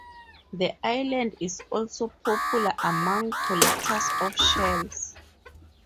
The island is also popular among collectors of shells.